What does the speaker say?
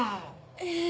え。